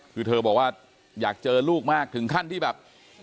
คือเธอบอกว่าอยากเจอลูกมากถึงขั้นที่แบบ